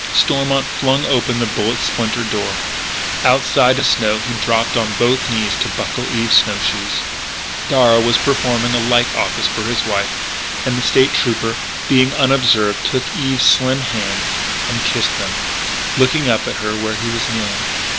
Stormont flung open the bullet splintered door. Outside in the snow he dropped on both knees to buckle on Eve's snow shoes. Darragh was performing a like office for his wife, and the State Trooper, being unobserved, took Eve's slim hands and kissed them, looking up at her where he was kneeling.